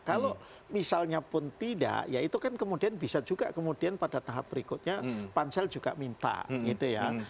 kalau misalnya pun tidak ya itu kan kemudian bisa juga kemudian pada tahap berikutnya pansel juga minta gitu ya